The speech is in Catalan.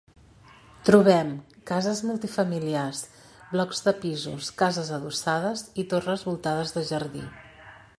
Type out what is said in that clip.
Trobem: cases multi familiars, blocs de pisos, cases adossades i torres voltades de jardí.